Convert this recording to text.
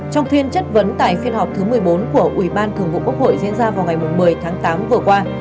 trong phiên chất vấn tại phiên họp thứ một mươi bốn của ủy ban thường vụ quốc hội diễn ra vào ngày một mươi tháng tám vừa qua